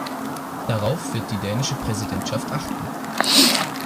Darauf wird die dänische Präsidentschaft achten.